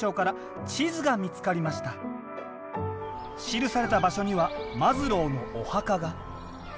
記された場所にはマズローのお墓が。